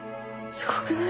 すごくない？